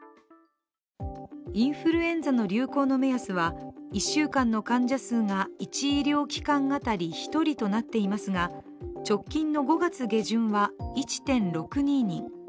インフルエンザの流行の目安は１週間の患者数が１医療機関当たり１人となっていますが直近の５月下旬は１．６２人。